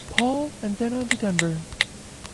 Paul and then on to Denver.